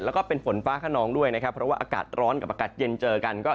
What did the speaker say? แล้วก็เป็นฝนฟ้าขนองด้วยนะครับเพราะว่าอากาศร้อนกับอากาศเย็นเจอกันก็